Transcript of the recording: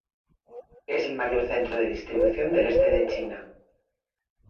Es el mayor centro de distribución del este de China.